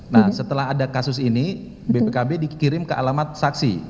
nah setelah ada kasus ini bpkb dikirim ke alamat saksi